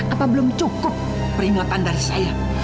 apa belum cukup peringatan dari saya